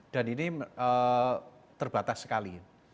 dan ini terbatas sekali